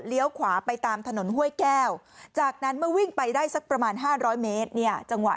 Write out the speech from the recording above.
เลี้ยวขวาไปตามถนนห้วยแก้วจากนั้นเมื่อวิ่งไปได้สักประมาณ๕๐๐เมตร